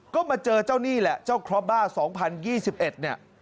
ก็มาเจอเจ้านี่แหละเจ้าครอบบ้า๒๐๒๑เนี่ย